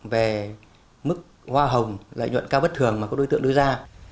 về mức hoa hồng lợi nhuận cao bất thường mà các đối tượng đưa ra